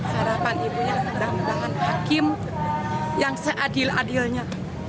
harapan ibu yang sedang sedang hakim yang seadil adilnya